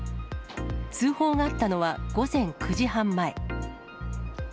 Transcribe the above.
通報があったのは午前９時半前。